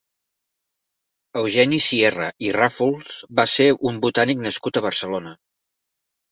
Eugeni Sierra i Ràfols va ser un botànic nascut a Barcelona.